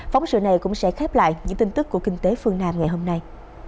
phóng sự này cũng sẽ khép lại những tin tức của kinh tế phương nam ngày hôm nay